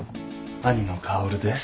兄の薫です。